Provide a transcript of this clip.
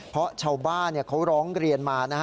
เพราะชาวบ้านเขาร้องเรียนมานะฮะ